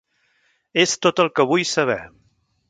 És tot el que vull saber.